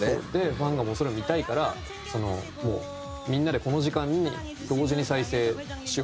ファンがもうそれを見たいからそのみんなでこの時間に同時に再生しようみたいな。